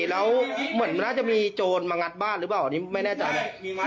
แล้วเหมือนมันน่าจะมีโจรมางัดบ้านหรือเปล่าอันนี้ไม่แน่ใจ